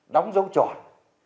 đóng dấu tròn